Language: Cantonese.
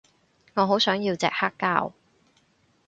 我好想要隻黑膠